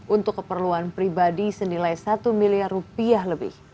untuk keperluan pribadi senilai satu miliar rupiah lebih